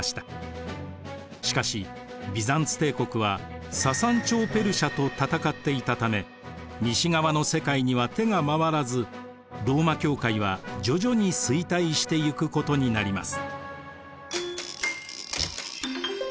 しかしビザンツ帝国はササン朝ペルシアと戦っていたため西側の世界には手が回らずローマ教会は徐々に衰退していくことになります。